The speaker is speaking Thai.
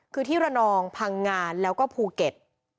คือที่ระนองพังงานแล้วก็ภูเก็ต